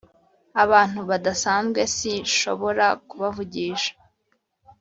abantu badasanzwe si shobora kubavugisha